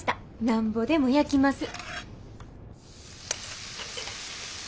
なんぼでも焼きます。